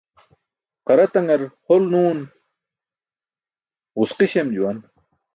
Qara taṅar hol nuun ġuski̇ śem juwan.